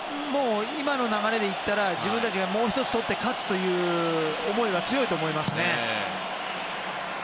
今の流れでいったら自分たちがもう１つ取って勝つという思いは強いと思いますね。